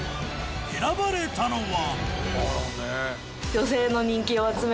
選ばれたのは。